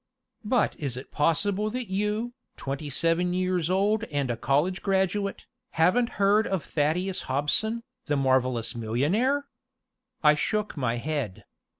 But is it possible that you, twenty seven years old and a college graduate, haven't heard of Thaddeus Hobson, the Marvelous Millionaire?" I shook my head.